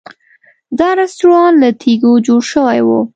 دا رسټورانټ له تیږو جوړ شوی و.